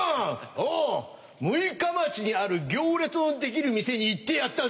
おう六日町にある行列の出来る店に行ってやったぜ。